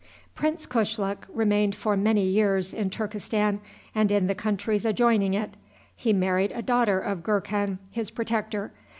Prince Kushluk remained for many years in Turkestan and in the countries adjoining it. He married a daughter of Gurkhan, his protector.